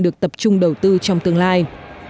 được tập trung đầu tư trong tương lai